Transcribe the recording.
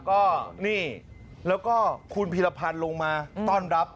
ก็นี่แล้วก็คุณพีรพันธ์ลงมาต้อนรับ